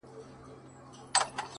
سترگي دي پټي كړه ويدېږمه زه ـ